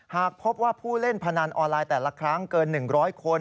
หากพบว่าผู้เล่นพนันออนไลน์แต่ละครั้งเกิน๑๐๐คน